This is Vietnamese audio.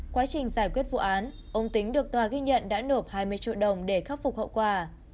quá trình giải quyết vụ án ông tính được tòa ghi nhận đã nộp hai mươi triệu đồng để khắc phục hậu quả